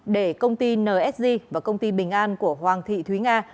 để công ty nsg và công ty bình an của hoàng thị thúy nga